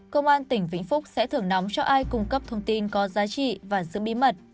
công an tỉnh vĩnh phúc sẽ thưởng nóng cho ai cung cấp thông tin có giá trị và giữ bí mật